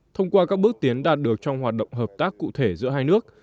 thông qua các bước tiến đạt được trong hoạt động hợp tác cụ thể giữa hai nước